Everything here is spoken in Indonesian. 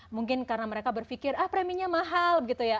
mungkin karena mereka berpikir ah preminya mahal gitu ya